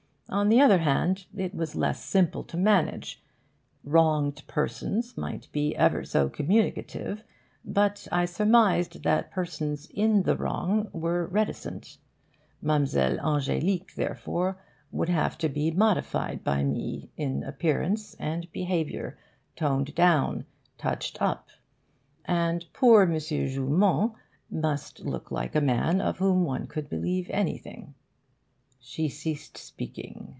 On the other hand, it was less simple to manage. Wronged persons might be ever so communicative, but I surmised that persons in the wrong were reticent. Mlle. Ange'lique, therefore, would have to be modified by me in appearance and behaviour, toned down, touched up; and poor M. Joumand must look like a man of whom one could believe anything.... 'She ceased speaking.